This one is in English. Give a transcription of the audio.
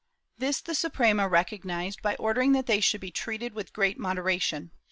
This the Suprema recognized by ordering that they should be treated with great moderation.